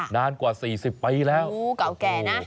นานกว่า๔๐ปีแล้วโอ้เก่าแก่นะ